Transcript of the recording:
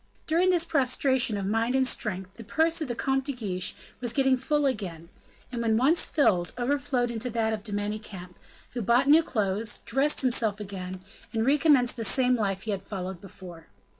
During this prostration of mind and strength, the purse of the Comte de Guiche was getting full again, and when once filled, overflowed into that of De Manicamp, who bought new clothes, dressed himself again, and recommenced the same life he had followed before.